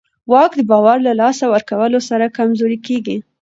واک د باور له لاسه ورکولو سره کمزوری کېږي.